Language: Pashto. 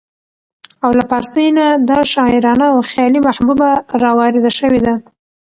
او له پارسۍ نه دا شاعرانه او خيالي محبوبه راوارده شوې ده